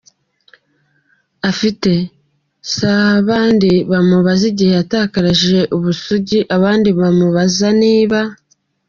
afite, sabandi bamubaza igihe yatakarije ubusugi, abandi bamubaza niba